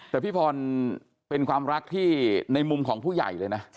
แต่พี่พรเป็นความรักที่ในมุมของผู้ใหญ่เลยนะ